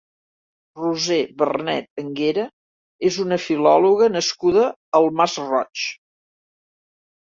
Roser Vernet Anguera és una filòloga nascuda al Masroig.